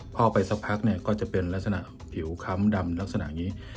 พอไปสักพักเนี่ยก็จะเป็นลักษณะผิวค้ำดำลักษณะอย่างนี้